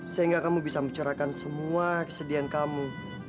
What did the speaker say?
sehingga kamu bisa mencerahkan semua kesedihan kamu